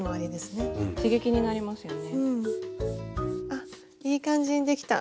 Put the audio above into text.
あっいい感じにできた。